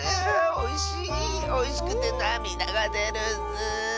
おいしくてなみだがでるッス！